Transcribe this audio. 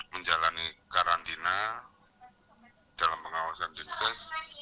menjalani karantina dalam pengawasan rapid test